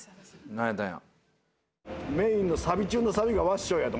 何やったんや。